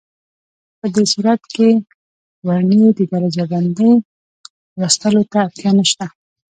په دې صورت کې د ورنيې د درجه بندۍ لوستلو ته اړتیا نشته.